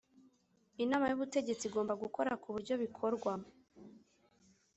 inama y’ubutegetsi igomba gukora ku buryo bikorwa